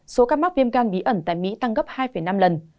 số ca mắc viêm gan bí ẩn tại mỹ tăng gấp hai năm lần